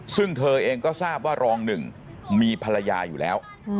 ซึ่งเธอเองก็ทราบว่ารองหนึ่งมีภรรยาอยู่แล้ว